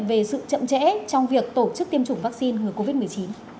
về sự chậm trễ trong việc tổ chức tiêm chủng vaccine ngừa covid một mươi chín